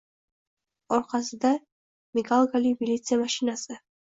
orqasida migalkali militsiya mashinasi.